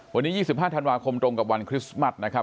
วันนี้๒๕ธันวาคมตรงกับวันคริสต์มัสนะครับ